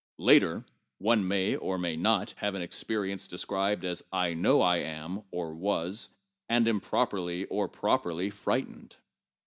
Later one may (or may not) have an experience describable as I know I am ( or was) and improperly or properly, frightened.